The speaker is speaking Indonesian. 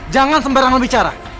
jangan sembarangan bicara